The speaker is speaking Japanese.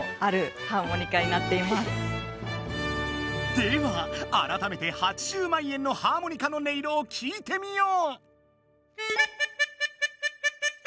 ではあらためて８０万円のハーモニカの音色をきいてみよう。